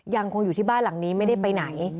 ยังคงอยู่ที่บ้านหลังนี้ไม่ได้ไปไหน